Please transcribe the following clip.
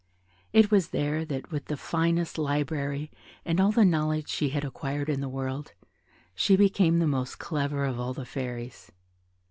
It was there that, with the finest library and all the knowledge she had acquired in the world, she became the most clever of all the fairies.